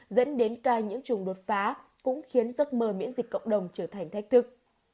dẫn đến ca những chủng đột phá cũng khiến giấc mơ miễn dịch cộng đồng trở thành thách thức